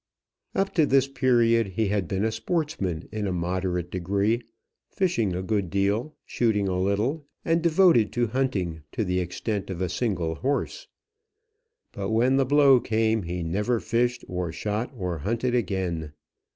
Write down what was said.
Up to this period he had been a sportsman in a moderate degree, fishing a good deal, shooting a little, and devoted to hunting, to the extent of a single horse. But when the blow came, he never fished or shot, or hunted again.